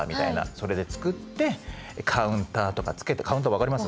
それで作ってカウンターとかつけてカウンター分かります？